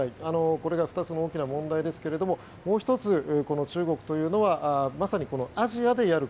これが２つの大きな問題ですがもう１つ、中国というのはまさに、アジアでやる